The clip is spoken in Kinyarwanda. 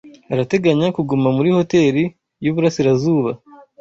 Arateganya kuguma muri Hoteli y'Uburasirazuba.